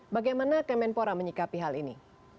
bagaimana kemenpora menyikapi hal ini